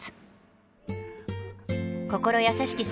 心優しき